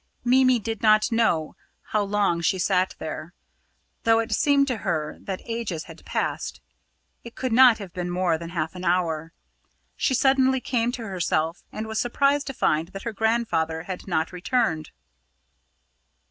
Mimi did not know how long she sat there. Though it seemed to her that ages had passed, it could not have been more than half an hour. She suddenly came to herself, and was surprised to find that her grandfather had not returned.